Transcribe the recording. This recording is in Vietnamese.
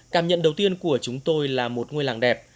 cảm nhận đầu tiên của chúng tôi là một ngôi làng đẹp